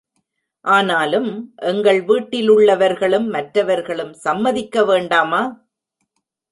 ஆனாலும் எங்கள் வீட்டிலுள்ளவர்களும் மற்றவர்களும் சம்மதிக்க வேண்டாமா?